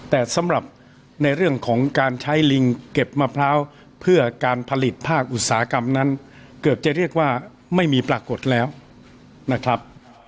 แต่สำหรับในเรื่องของการใช้ลิงเก็บมะพร้าวเพื่อการผลิตภาคอุตสาหกรรมนั้นเกือบจะเรียกว่าไม่มีปรากฏแล้วนะครับ